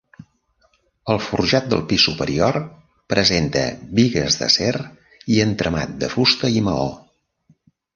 El forjat del pis superior presenta bigues d'acer i entramat de fusta i maó.